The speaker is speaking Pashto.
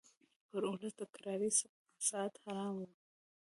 پر اولس د کرارۍ ساعت حرام وو